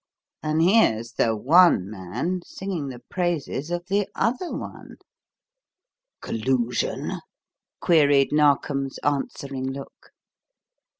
And here's the 'one' man singing the praises of the 'other' one!" "Collusion?" queried Narkom's answering look.